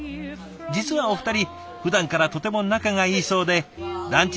実はお二人ふだんからとても仲がいいそうでランチ